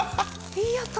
いい音。